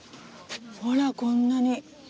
ほらこんなに。